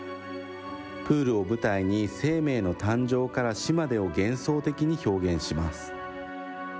プールを舞台に生命の誕生から死までを幻想的に表現します。